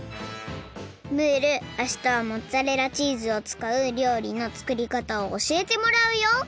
ムールあしたはモッツァレラチーズをつかうりょうりの作りかたをおしえてもらうよ！